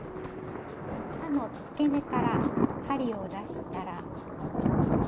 葉のつけ根から針を出したら。